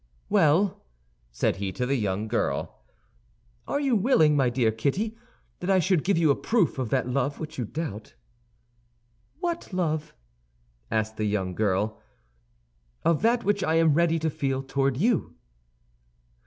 "Well," said he to the young girl, "are you willing, my dear Kitty, that I should give you a proof of that love which you doubt?" "What love?" asked the young girl. "Of that which I am ready to feel toward you."